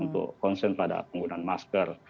untuk konsen pada penggunaan masker